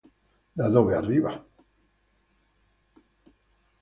Da dove arriva?